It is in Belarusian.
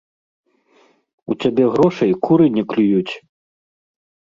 У цябе грошай куры не клююць!